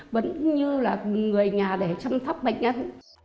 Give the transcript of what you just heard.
vẫn như là người nhà để chăm sóc bệnh nhân